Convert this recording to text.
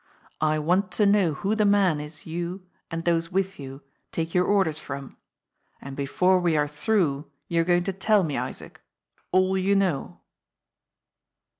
I want to know who the man is you, and those with you, take your orders from. And before we are through you are going to tell me, Isaac all you know."